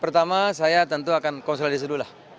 pertama saya tentu akan konsolisi dulu lah